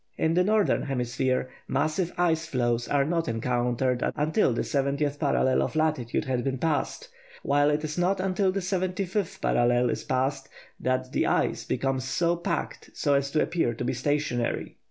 In the northern hemisphere massive ice floes are not encountered until the 70th parallel of latitude has been passed, while it is not until the 75th parallel is passed that the ice becomes so packed as to appear to be stationary.